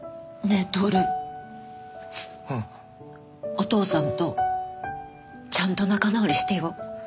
お父さんとちゃんと仲直りしてよ。